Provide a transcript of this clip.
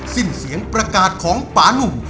สิ้นเสียงประกาศของปานุ่ม